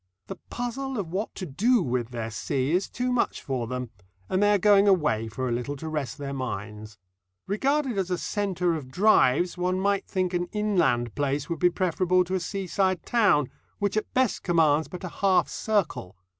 The puzzle of what to do with their sea is too much for them, and they are going away for a little to rest their minds. Regarded as a centre of drives one might think an inland place would be preferable to a seaside town, which at best commands but a half circle.